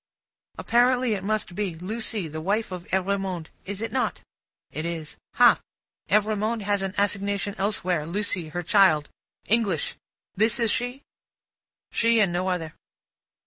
"Apparently it must be. Lucie, the wife of Evrémonde; is it not?" It is. "Hah! Evrémonde has an assignation elsewhere. Lucie, her child. English. This is she?" She and no other.